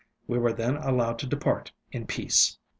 We were then allowed to depart in peace.